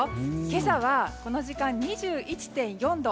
今朝はこの時間、２１．４度。